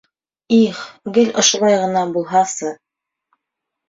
Их, гел ошолай ғына булһасы!